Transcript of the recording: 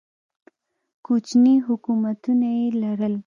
کوچني حکومتونه یې لرل.